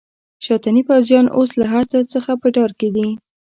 شاتني پوځیان اوس له هرڅه څخه په ډار کې دي.